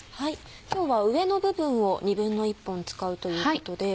今日は上の部分を１／２本使うということで。